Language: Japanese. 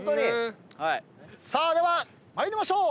では参りましょう。